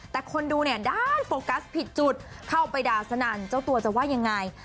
แต่คนดูเนี่ยด้านโฟกัสผิดจุดเข้าไปด่าสนั่นเจ้าตัวจะว่ายังไง